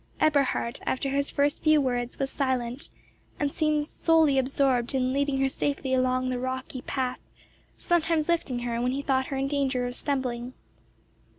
Eberhard, after his first few words, was silent, and seemed solely absorbed in leading her safely along the rocky path, sometimes lifting her when he thought her in danger of stumbling.